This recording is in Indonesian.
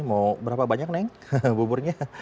mau berapa banyak neng buburnya